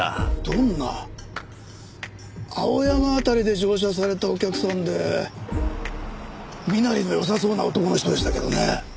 どんな？青山辺りで乗車されたお客さんで身なりの良さそうな男の人でしたけどね。